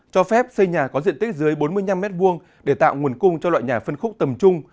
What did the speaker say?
cho phép xây nhà có diện tích dưới bốn mươi năm m hai để tạo nguồn cung cho loại nhà phân khúc tầm trung